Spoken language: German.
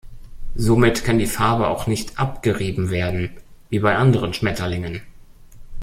Somit kann die Farbe auch nicht "abgerieben" werden, wie bei anderen Schmetterlingen.